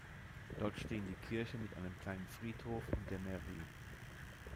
Dort stehen die Kirche mit einem kleinen Friedhof und die Mairie.